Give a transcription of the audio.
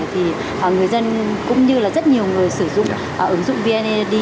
thì người dân cũng như là rất nhiều người sử dụng ứng dụng vned